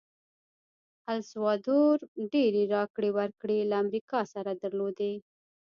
السلوادور ډېرې راکړې ورکړې له امریکا سره درلودې.